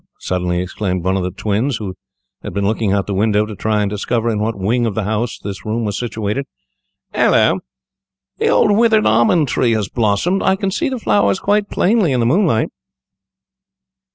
suddenly exclaimed one of the twins, who had been looking out of the window to try and discover in what wing of the house the room was situated. "Hallo! the old withered almond tree has blossomed. I can see the flowers quite plainly in the moonlight."